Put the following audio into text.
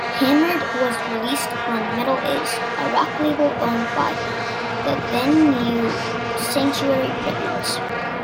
"Hammered" was released on Metal-Is, a rock label owned by the then-new Sanctuary Records.